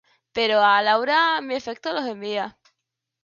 pero a Laura mi afecto los envía